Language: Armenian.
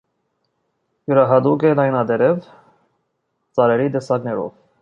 Յուրահատուկ է լայնատերև ծառերի տեսակներով։